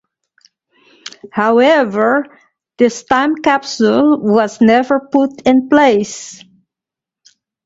However, this time capsule was never put in place.